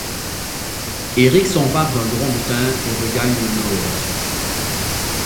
Eric s’empare d’un grand butin et regagne le nord.